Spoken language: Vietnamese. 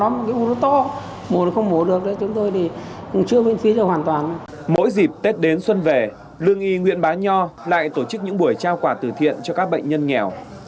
mỗi dịp tết đến xuân về lương y nguyễn bá nho lại tổ chức những buổi trao quà tử thiện cho các bệnh nhân nghèo